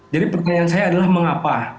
jadi pertanyaan saya adalah mengapa